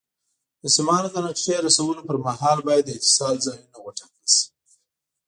د سیمانو د نقشې رسمولو پر مهال باید د اتصال ځایونه وټاکل شي.